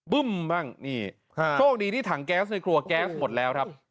บึ้มบ้างโคตรดีที่ถังแก๊งซ์ในครัวแก๊งซ์หมดแล้วครับ